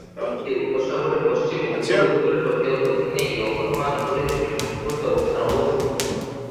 এটি টোকিও উপসাগরের পশ্চিম উপকূলে, উত্তরে টোকিও ও দক্ষিণে ইয়োকোহামা নগরী দুইটির মধ্যবর্তী অবস্থানে অবস্থিত।